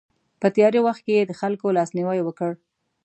په تیاره وخت کې یې د خلکو لاسنیوی وکړ.